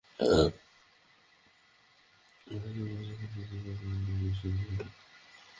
আমাদের বিরুদ্ধে অহেতুক বাঁশি বাজিয়েছেন, বক্সের আশপাশে বেশ কয়েকটি ফ্রি-কিক দিয়েছেন।